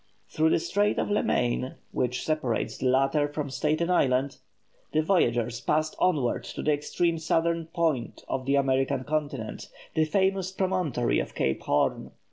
Through the Strait of Le Main, which separates the latter from Staten Island, the voyagers passed onward to the extreme southern point of the American Continent, the famous promontory of Cape Horn.